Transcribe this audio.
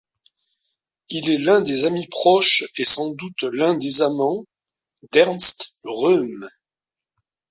Il est l’un des amis proches et sans doute l’un des amants d’Ernst Röhm.